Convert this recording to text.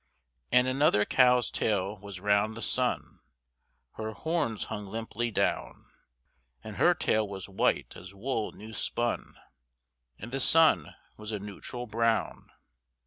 And another cow's tail was round the sun (Her horns hung limply down); And her tail was white as wool new spun, And the sun was a neutral brown.